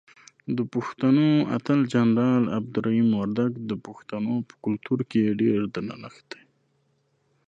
دپښتنو اتل جنرال عبدالرحیم وردک دپښتنو په کلتور کې ډیر درنښت دی.